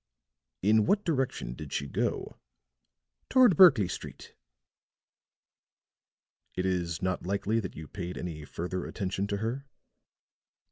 "In what direction did she go?" "Toward Berkley Street." "It is not likely that you paid any further attention to her?"